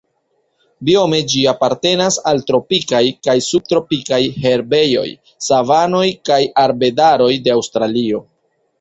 Biome ĝi apartenas al tropikaj kaj subtropikaj herbejoj, savanoj kaj arbedaroj de Aŭstralio.